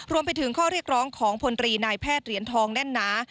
รวมไปถึงข้อเรียกร้องของพลตรีนายแพทย์เหรียญทองแน่นหนา